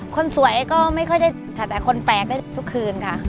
คนสวยก็ไม่ค่อยได้ค่ะแต่คนแปลกได้ทุกคืนค่ะ